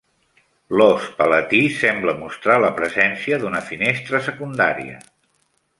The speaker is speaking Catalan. L"ós palatí sembla mostrar la presència d"una finestra secundària.